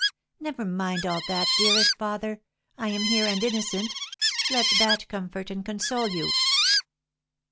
"Never mind all that, dearest father! I am here and innocent, let that comfort and console you."